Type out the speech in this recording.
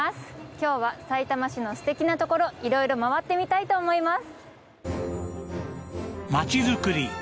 今日はさいたま市の素敵なところ色々回ってみたいと思います